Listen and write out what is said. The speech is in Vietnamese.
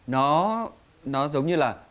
nó giống như là